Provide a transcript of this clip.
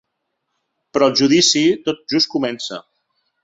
Però el judici tot just comença.